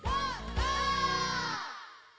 ゴー！」